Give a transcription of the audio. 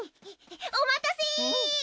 お待たせ！